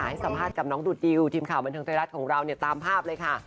ให้สัมภาษณ์กับน้องดูดดิวทีมข่าวบันเทิงไทยรัฐของเราเนี่ยตามภาพเลยค่ะ